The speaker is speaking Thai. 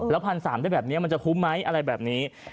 แล้ว๑๓๐๐ได้แบบนี้มันจะคุ้มไหมอะไรแบบนี้